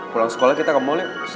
pulang sekolah kita ke mall ya